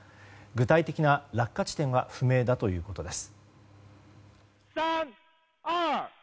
具体的な落下地点は不明だということです。